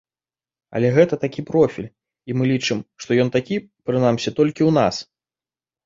Але гэта такі профіль, і мы лічым, што ён такі, прынамсі, толькі ў нас.